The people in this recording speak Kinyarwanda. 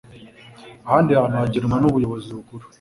ahandi hantu hagenwa n ubuyobozi bukuru